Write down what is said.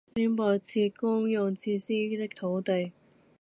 經敷設公用設施的土地